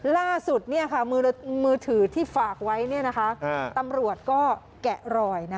ล่าสุดมือถือที่ฝากไว้ตำรวจก็แกะรอย